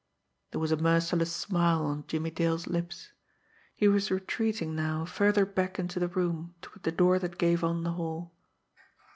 There was a merciless smile on Jimmie Dale's lips. He was retreating now further back into the room toward the door that gave on the hall.